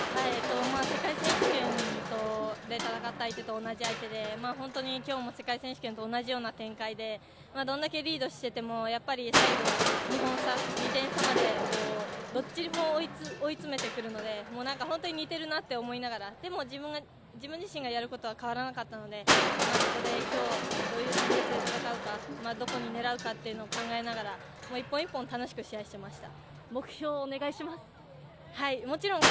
世界選手権で戦った相手と同じ相手で本当に今日も世界選手権と同じような展開で、どれだけリードしていても、最後、２点差まで、どっちも追い詰めてくるので、本当に似てるなと思いながらでも自分自身がやることは変わらなかったので、そこで今日、どういう戦術で戦うか、どこに狙うか考えながら、１本１本楽しく試合していました。